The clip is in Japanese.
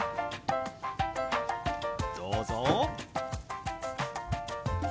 どうぞ！